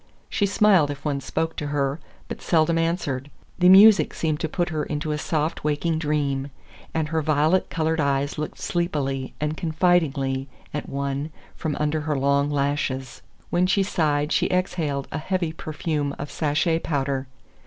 She smiled if one spoke to her, but seldom answered. The music seemed to put her into a soft, waking dream, and her violet colored eyes looked sleepily and confidingly at one from under her long lashes. When she sighed she exhaled a heavy perfume of sachet powder.